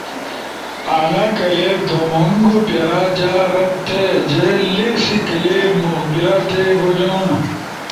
آنا کلپ دُومونگو پیرا جا رد تھے جے لیسی کلپ مقبرہ تے بجونو۔